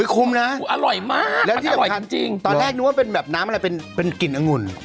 คุ้มนะและที่สำคัญตอนแรกนึกว่าเป็นน้ำอะไรเป็นกลิ่นองุ่น